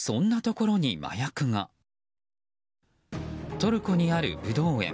トルコにあるブドウ園。